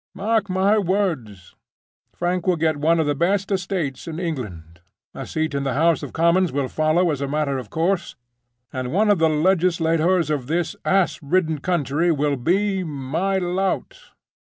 Mark my words! Frank will get one of the best estates in England; a seat in the House of Commons will follow as a matter of course; and one of the legislators of this Ass ridden country will be—MY LOUT!